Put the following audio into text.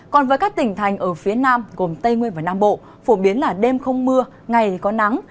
còn với các tỉnh thành ở phía nam gồm tây nguyên và nam bộ phổ biến là đêm không mưa ngày có nắng